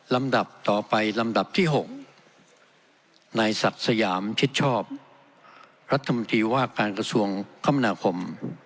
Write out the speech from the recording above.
ลำดับต่อไปลำดับที่๖นายศักดิ์สยามชิดชอบรัฐมนตรีว่าการกระทรวงคมนาคม